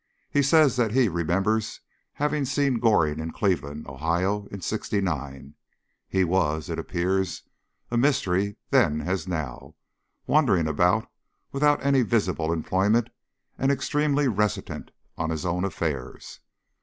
He says that he remembers having seen Goring in Cleveland, Ohio, in '69. He was, it appears, a mystery then as now, wandering about without any visible employment, and extremely reticent on his own affairs.